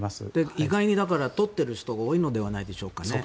意外に撮っている人が多いのではないでしょうか。